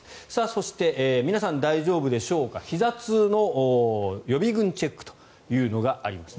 そして、皆さん大丈夫でしょうかひざ痛の予備軍チェックというのがあります。